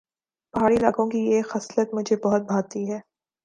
پہاڑی علاقوں کی یہ خصلت مجھے بہت بھاتی ہے